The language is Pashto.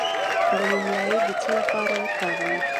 د موم لایی د څه لپاره وکاروم؟